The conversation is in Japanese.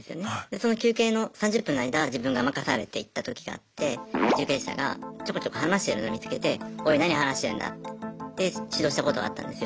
その休憩の３０分の間自分が任されて行ったときがあって受刑者がちょこちょこ話してるの見つけて「おい何話してるんだ」って指導したことがあったんですよ。